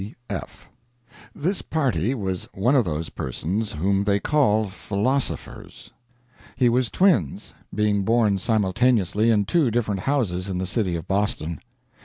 B. F.] This party was one of those persons whom they call Philosophers. He was twins, being born simultaneously in two different houses in the city of Boston.